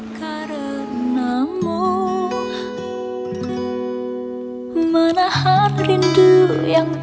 aku gak bisa mencintai kamu